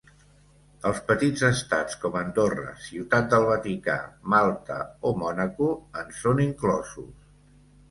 Els petits estats com Andorra, Ciutat del Vaticà, Malta o Mònaco en són inclosos.